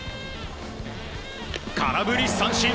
空振り三振。